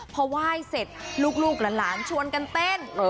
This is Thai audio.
พอไหว้เสร็จลูกหลานชวนกันเต้น